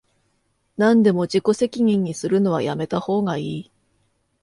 なんでも自己責任にするのはやめたほうがいい